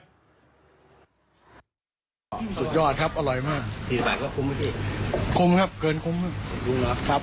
สุดยอดครับอร่อยมากสี่สิบบาทก็คุ้มไหมคุ้มครับเกินคุ้มครับคุ้มแล้วครับผม